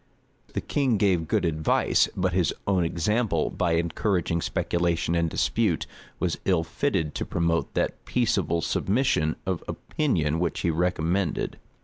[*] The king gave good advice; but his own example, by encouraging speculation and dispute, was ill fitted to promote that peaceable submission of opinion which he recommended.